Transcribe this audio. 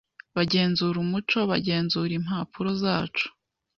Bagenzura umuco, bagenzura impapuro zacu